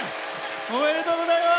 おめでとうございます。